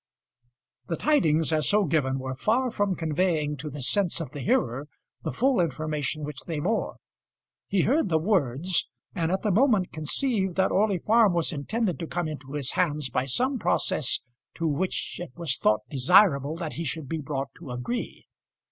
The tidings, as so given, were far from conveying to the sense of the hearer the full information which they bore. He heard the words, and at the moment conceived that Orley Farm was intended to come into his hands by some process to which it was thought desirable that he should be brought to agree.